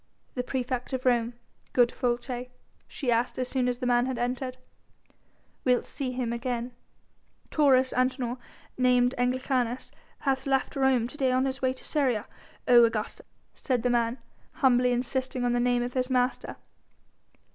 "The praefect of Rome, good Folces?" she asked as soon as the man had entered, "wilt see him again?" "Taurus Antinor named Anglicanus hath left Rome to day on his way to Syria, O Augusta!" said the man, humbly insisting on the name of his master.